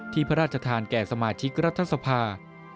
ที่พระราชฐานแก่สมาชิกรัฐศพา